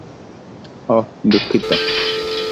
অহ, দুঃখিত।